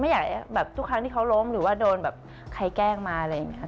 อยากให้แบบทุกครั้งที่เขาล้มหรือว่าโดนแบบใครแกล้งมาอะไรอย่างนี้